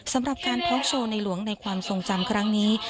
สำหรับการท็กโชว์ในหลวงในความทรงจำครั้งนี้